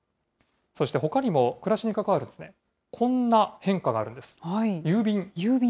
そしてほかにも暮らしに関わるこんな変化があるんです。